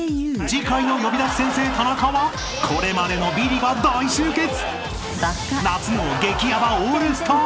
［次回の『呼び出し先生タナカ』はこれまでのビリが大集結］